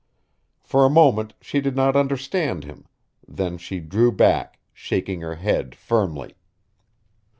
For a moment she did not understand him, then she drew back, shaking her head firmly.